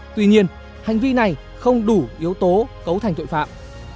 tuy nhiên hành vi này không đủ yếu tố cấu thành tội phạm